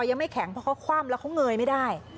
ยังไม่แข็งเพราะเขาคว่ำแล้วเขาเงยไม่ได้